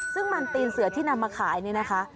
ซึ่งมันตีนเสือที่นำมาขายนี่นะคะ